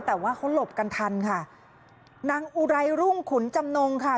แต่ว่าเขาหลบกันทันค่ะนางอุไรรุ่งขุนจำนงค่ะ